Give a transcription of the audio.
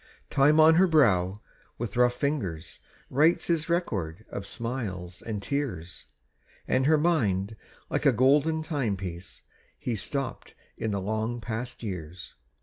Time on her brow with rough fingers Writes his record of smiles and tears; And her mind, like a golden timepiece, He stopped in the long past years.